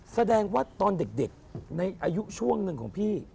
แสดงว่าตอนเด็กในอายุช่วงหนึ่งของพี่